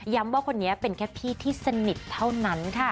ว่าคนนี้เป็นแค่พี่ที่สนิทเท่านั้นค่ะ